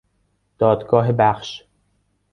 دادگاه بخش